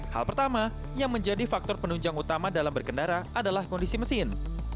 hal pertama yang menjadi faktor penunjang utama dalam berkendara adalah kondisi mesin